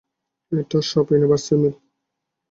এটাই সব ইউনিভার্সের মিল।